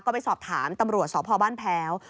ก็ไปสอบถามตำรวจสพบ้านแพ้ว